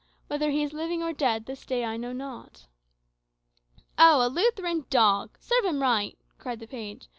Whether he is living or dead, this day I know not." "Oh, a Lutheran dog! Serve him right," cried the page.